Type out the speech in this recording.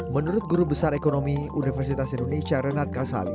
menurut guru besar ekonomi universitas indonesia renat kasali